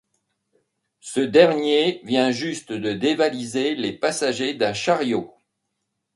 Ce dernier vient juste de dévaliser les passagers d'un chariot.